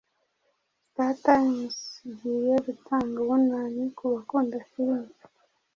StarTimes igiye gutanga ubunani ku bakunda filime